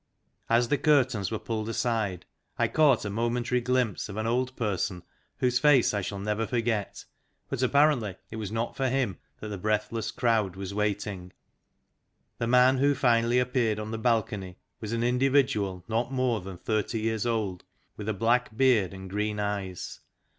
As the curtains were pulled aside I caught a momentary glimpse of an old person whose face I shall never forget, but apparently it was not for him that the breathless crowd was waiting. The man who finally appeared on the balcony was an individual not more than thirty years old, with a black beard and green eyes.